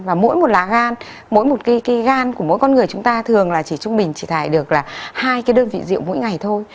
và mỗi một lá gan mỗi một cái cây gan của mỗi con người chúng ta thường là chỉ trung bình chỉ thải được là hai cái đơn vị rượu mỗi ngày thôi